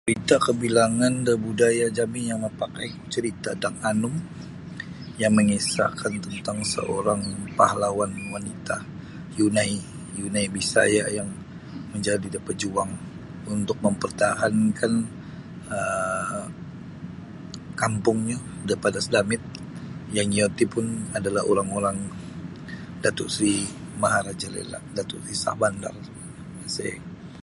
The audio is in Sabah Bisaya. Carita kabilangan da budaya jami yang mapakai ku carita Dang Anum yang mangisahkan tentang seorang pahlawan wanita yunai yunai Bisaya yang manjadi da pajuang untuk mampartahankan um kampungnyo da Padas Damit yang iyo ti pun ada lah orang-orang Dato' Sri Maharaja Lela Dato' Sri Sabandar. [unintelligible] i